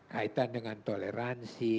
kaitan dengan toleransi